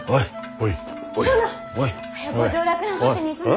早くご上洛なさって兄様に。